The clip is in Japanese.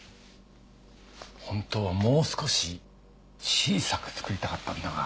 本当はもう少し小さくつくりたかったんだが。